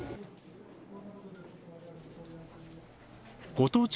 ご当地